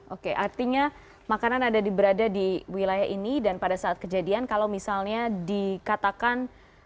oke artinya makanan ada di berada di wilayah ini dan pada saat kejadian kalau misalnya dikatakan